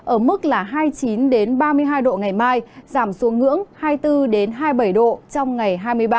ở mức là hai mươi chín ba mươi hai độ ngày mai giảm xuống ngưỡng hai mươi bốn hai mươi bảy độ trong ngày hai mươi ba